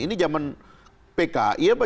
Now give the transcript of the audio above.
ini zaman pki apa